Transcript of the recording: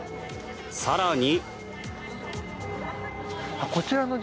更に。